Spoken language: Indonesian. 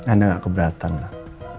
anda gak keberatan lah